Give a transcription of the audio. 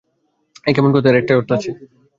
এ কেমন কথা, এর একটাই অর্থ আছে।